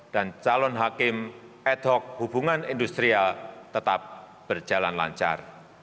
dan calon hakim ad hoc hubungan industrial tetap berjalan lancar